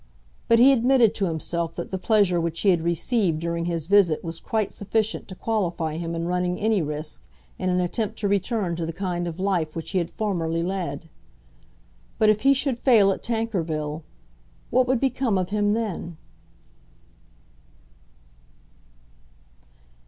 But he admitted to himself that the pleasure which he had received during his visit was quite sufficient to qualify him in running any risk in an attempt to return to the kind of life which he had formerly led. But if he should fail at Tankerville what would become of him then?